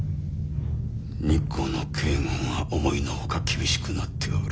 日光の警護が思いのほか厳しくなっておる。